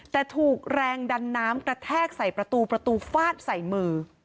แต่ถูกแรงดันน้ำกระแทกใส่ประตูประตูฟาดใส่มือ